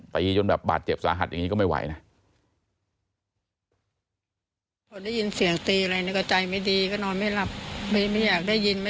จนแบบบาดเจ็บสาหัสอย่างนี้ก็ไม่ไหวนะ